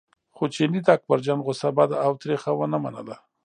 خو چیني د اکبرجان غوسه بده او تریخه ونه منله.